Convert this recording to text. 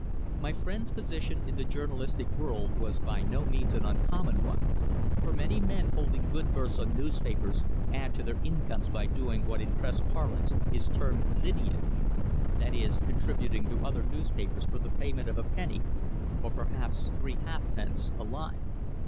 My friend's position in the journalistic world was by no means an uncommon one, for many men holding good berths on newspapers add to their incomes by doing what in press parlance is termed "lineage" that is contributing to other newspapers for the payment of a penny, or perhaps three halfpence, a line.